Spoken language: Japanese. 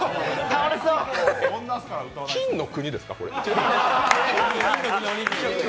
金の国ですか、これ。